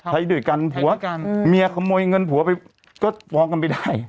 ถ่ายโดยกันผัวเมียขโมยเงินผัวก็ฟ้องกันไปได้